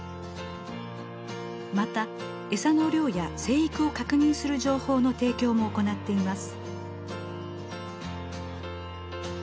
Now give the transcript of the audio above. また餌の量や生育を確認する情報の提供も行っています。